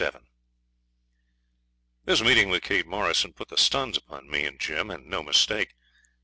Chapter 27 This meeting with Kate Morrison put the stuns upon me and Jim, and no mistake.